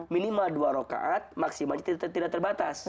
minimal dua rokaat maksimal tidak terbatas